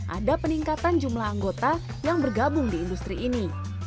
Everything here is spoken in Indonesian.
ada peningkatan jumlah anggota yang bergabung di industri ini